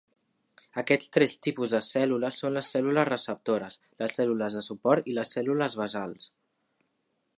Aquests tres tipus de cèl·lules són les cèl·lules receptores, les cèl·lules de suport i les cèl·lules basals.